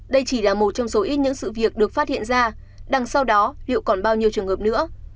đây chỉ là một trong số ít những sự việc được phát hiện ra đằng sau đó liệu còn bao nhiêu trường hợp nữa